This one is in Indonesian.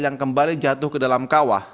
yang kembali jatuh ke dalam kawah